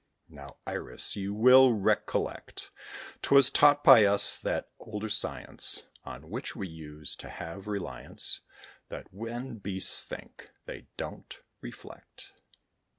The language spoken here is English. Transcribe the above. Now, Iris, you will recollect, 'Twas taught us by that older science, On which we used to have reliance, That when beasts think, they don't reflect.